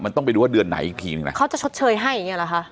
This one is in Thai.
มันต้องไปดูว่าเดือนไหนอีกทีนึงนะเขาจะชดเชยให้อย่างเงี้เหรอคะ